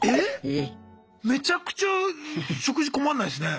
めちゃくちゃ食事困んないすね。